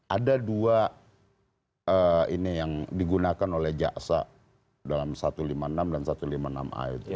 ada dua ini yang digunakan oleh jaksa dalam satu ratus lima puluh enam dan satu ratus lima puluh enam a itu